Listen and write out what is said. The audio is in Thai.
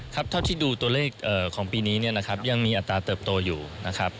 เท่าที่ดูตัวเลขของปีนี้เนี่ยนะครับยังมีอัตราเติบโตอยู่นะครับ